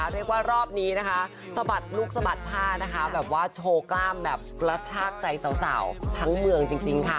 เรียกว่ารอบนี้นะคะสะบัดลูกสะบัดผ้านะคะแบบว่าโชว์กล้ามแบบกระชากใจสาวทั้งเมืองจริงค่ะ